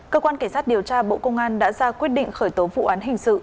cơ quan cảnh sát điều tra bộ công an đã ra quyết định khởi tố vụ án hình sự